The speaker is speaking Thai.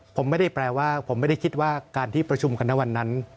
ผมไม่ได้แปลว่าผมไม่ได้คิดว่าการที่ประชุมคณะวันนั้น